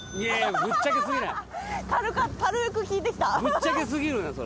ぶっちゃけ過ぎるねそれ。